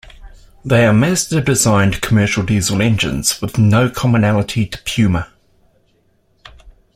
They are Mazda designed commercial Diesel engines with no commonality to Puma.